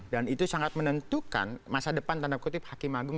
dan itu sangat menentukan masa depan tanda kutip hakim agung